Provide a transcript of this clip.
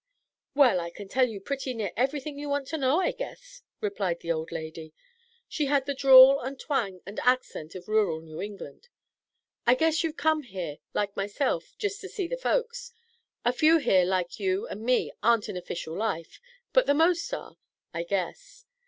"Well, I can tell you pretty near everything you want to know, I guess," replied the old lady. She had the drawl and twang and accent of rural New England. "I guess you've come here, like myself, jest to see the folks. A few here, like you and me, ar'n't in official life, but the most are, I guess.